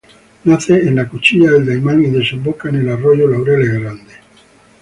Nace en la Cuchilla del Daymán y desemboca en el arroyo Laureles Grande.